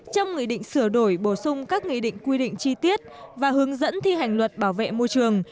trong nghị định sửa đổi bổ sung các nghị định quy định chi tiết và hướng dẫn thi hành luật bảo vệ môi trường